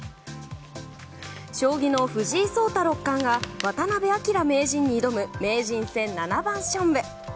将棋の藤井聡太六冠が渡辺明名人に挑む名人戦七番勝負。